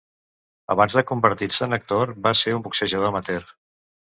Abans de convertir-se en actor, va ser un boxejador amateur.